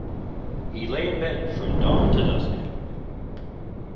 He lay in bed from dawn to dusk.